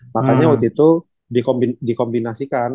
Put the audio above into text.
makanya waktu itu dikombinasikan